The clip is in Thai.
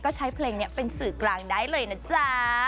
ก็ใช้เพลงนี้เป็นสื่อกลางได้เลยนะจ๊ะ